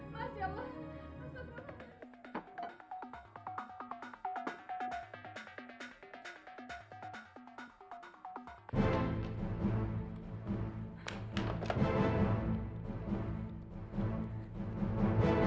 bang ya allah